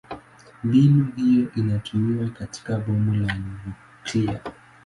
Mbinu hiyo inatumiwa katika bomu la nyuklia.